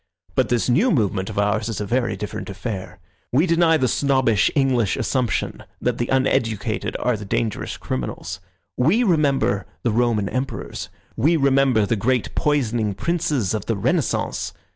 But this new movement of ours is a very different affair. We deny the snobbish English assumption that the uneducated are the dangerous criminals. We remember the Roman Emperors. We remember the great poisoning princes of the Renaissance.